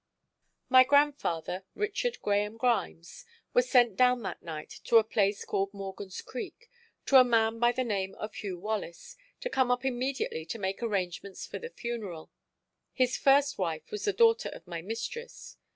My grandfather, Richard Graham Grimes, was sent down that night to a place called Morgan's Creek, to a man by the name of Hugh Wallace, to come up immediately and make arrangements for the funeral. His first wife was the daughter of my mistress.